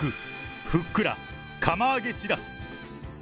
ふっくら釜揚げシラス。